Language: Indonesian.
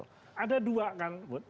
ada dua kan